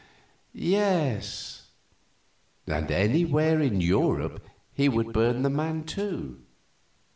"Yes, and anywhere in Europe he would burn the man, too.